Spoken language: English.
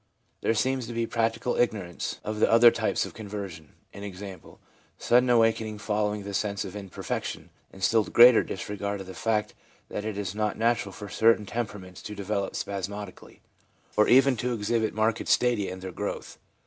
There seems to be practical ignorance of the other type of conversion, i.e., sudden awakening follow ing the sense of imperfection, and still greater disregard of the fact that it is not natural for certain tempera ments to develop spasmodically, or even to exhibit marked stadia in their growth.